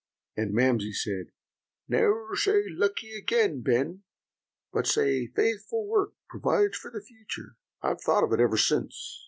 And Mamsie said 'Never say "lucky" again, Ben, but say "faithful work provides for the future."' I've thought of it ever since."